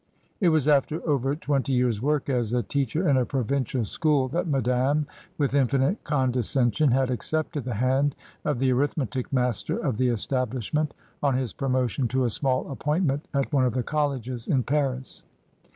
It was after over twenty years' work as a teacher in a provincial school that Madame, with infinite con descension, had accepted the hand of the arithmetic master of the establishment, on his promotion to a small appointment at one of the colleges in Paris.